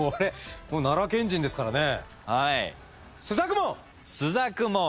奈良県人ですからね。